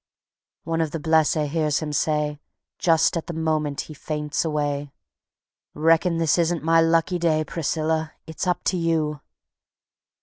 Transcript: One of the blessés hears him say, Just at the moment he faints away: "Reckon this isn't my lucky day, Priscilla, it's up to you."